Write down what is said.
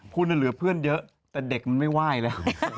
คุณเหลือเพื่อนเยอะแต่เด็กมันไม่ไหว้แล้ว